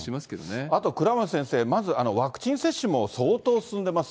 あとは倉持先生、まず、ワクチン接種も相当進んでます。